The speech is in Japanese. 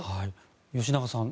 吉永さん